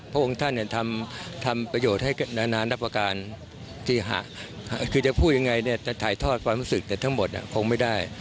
พระองค์ท่านทำประโยชน์ให้นานรับประการคือจะพูดยังไงเนี่ยจะถ่ายทอดความรู้สึกแต่ทั้งหมดคงไม่ได้